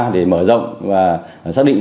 để mở rộng và xác định